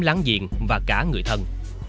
láng giềng và cả người thân